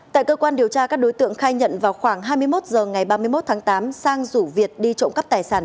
tại cơ quan điều tra các đối tượng khai nhận vào khoảng hai mươi một h ngày ba mươi một tháng tám sang rủ việt đi trộm cắp tài sản